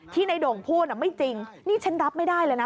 ในโด่งพูดไม่จริงนี่ฉันรับไม่ได้เลยนะ